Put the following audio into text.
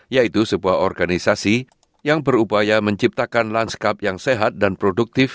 yaitu sebuah organisasi yang berupaya menciptakan lanskap yang sehat dan produktif